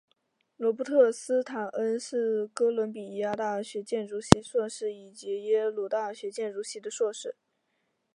罗伯特斯坦恩是哥伦比亚大学建筑系硕士以及耶鲁大学建筑系的硕士。